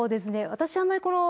私あんまりこの。